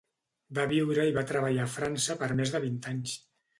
Va viure i va treballar a França per més de vint anys.